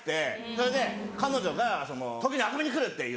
それで彼女が東京に遊びに来るって言って。